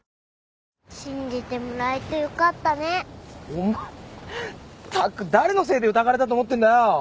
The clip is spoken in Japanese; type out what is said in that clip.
お前ったく誰のせいで疑われたと思ってんだよ。